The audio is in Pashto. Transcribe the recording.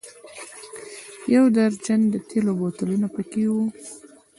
یو درجن د تېلو بوتلونه په کې و.